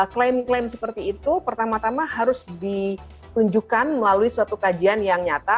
klaim klaim seperti itu pertama tama harus ditunjukkan melalui suatu kajian yang nyata